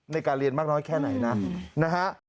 ในการเรียนมากน้อยแค่ไหนนะนะฮะ